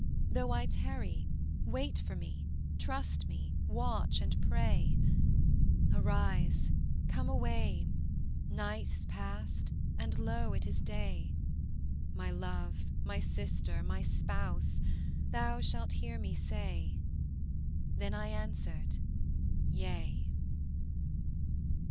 Though I tarry, wait for Me, trust Me, watch and pray. Arise, come away, night is past, and lo it is day, My love, My sister, My spouse, thou shalt hear Me say. Then I answered: Yea.